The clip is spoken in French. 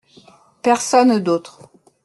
Personne d’autre.